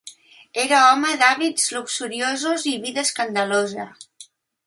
Era home d'hàbits luxuriosos i de vida escandalosa.